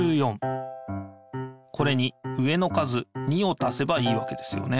これに上の数２をたせばいいわけですよね。